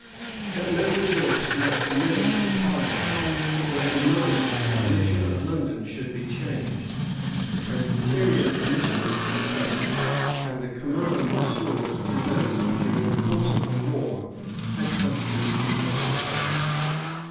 [*] That no resource might remain to the parliament, it was demanded, that the militia of London should be changed, the Presbyterian commissioners displaced, and the command restored to those who, during the course of the war, had constantly exercised it.